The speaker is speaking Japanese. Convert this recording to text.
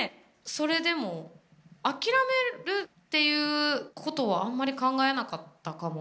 それでも諦めるっていうことはあんまり考えなかったかも。